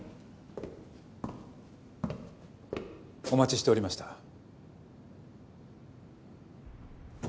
お待ちしておりました。